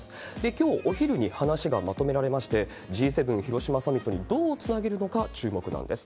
きょうお昼にまとめられまして、Ｇ７広島サミットにどうつなげるのか注目なんです。